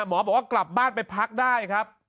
หมอบอกว่ากลับบ้านไปพักได้